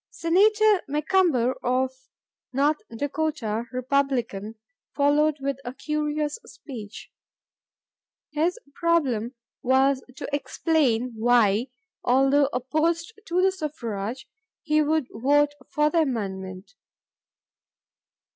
'" Senator McCumber of North Dakota, Republican, followed with a curious speech. His problem was to explain why, although opposed to suffrage, he would vote for the amendment.